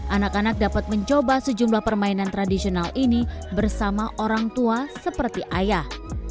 anak anak dapat mencoba sejumlah permainan tradisional ini bersama orang tua seperti ayah